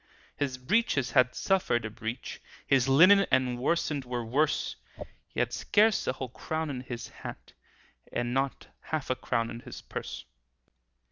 His breeches had suffered a breach, His linen and worsted were worse; He had scarce a whole crown in his hat, And not half a crown in his purse.